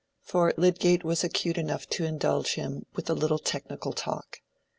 For Lydgate was acute enough to indulge him with a little technical talk.